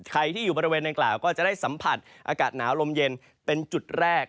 ใครที่อยู่บริเวณนางกล่าวก็จะได้สัมผัสอากาศหนาวลมเย็นเป็นจุดแรก